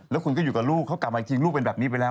แล้วคุณก็อยู่กับลูกเขากลับมาอีกทีลูกเป็นแบบนี้ไปแล้ว